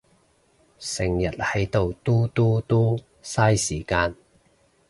成日係到嘟嘟嘟，晒時間